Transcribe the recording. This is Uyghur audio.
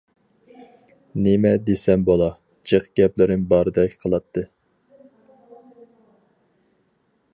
— نېمە دېسەم بولا، جىق گەپلىرىم باردەك قىلاتتى.